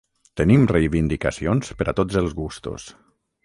Tenim reivindicacions per a tots els gustos.